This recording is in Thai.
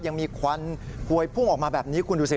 ยังมีควันพวยพุ่งออกมาแบบนี้คุณดูสิ